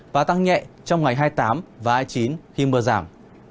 và tăng nhẹ trong ngày hai mươi tám và hai mươi chín khi mưa giảm